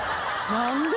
何で？